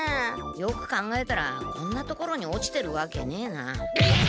よく考えたらこんな所に落ちてるわけねえな。